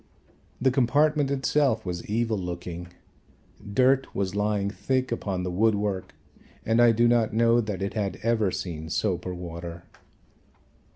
The compartment itself was evil looking. Dirt was lying thick upon the wood work and I do not know that it had ever seen soap or water.